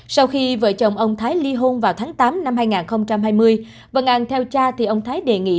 sau khi vợ chồng ông thái ly hôn vào tháng tám năm hai nghìn hai mươi văn an theo cha thì ông thái đề nghị